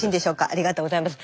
ありがとうございます。